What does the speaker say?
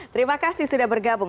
terima kasih sudah bergabung